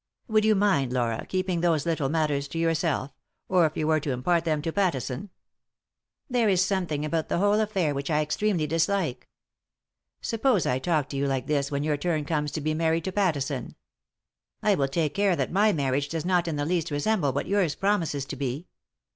"Would you mind, Laura, keeping those little matters to yourself—or if you were to impart them to Pattison?" " There is something about the whole affair which I extremely dislike." " Suppose I talk to you like this when your turn comes to be married to Pattison i "" I will take care that my marriage does not in the least resemble what yours promises to be."